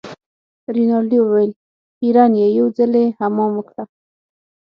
رینالډي وویل خیرن يې یو ځلي حمام وکړه.